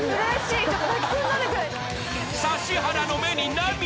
［指原の目に涙。